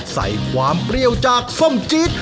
ใส่ความเปรี้ยวจากส้มจี๊ด